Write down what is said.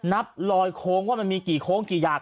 นับลอยโค้งว่ามันมีกี่โค้งกี่อย่าง